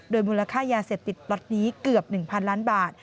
โดยมูลค่ายาเสพติดละนี้เกือบหนึ่งพันล้านบาท